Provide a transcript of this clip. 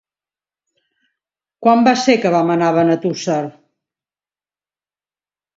Quan va ser que vam anar a Benetússer?